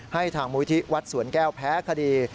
ให้ทางมูลที่วัดสวนแก้วแพ้คดี